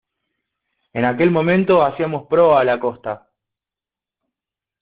en aquel momento hacíamos proa a la costa.